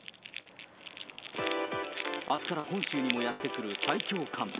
あすから本州にもやって来る最強寒波。